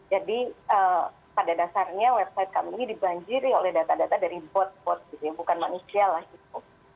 jadi pada dasarnya website kami dibanjiri oleh data data dari bot bot gitu ya bukan manusia lah itu